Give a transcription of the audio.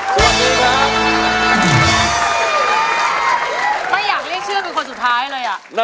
ไม่อยากเรียกชื่อเป็นคนสุดท้ายเลยอ่ะ